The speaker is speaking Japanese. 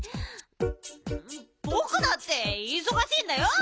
ぼくだっていそがしいんだよ。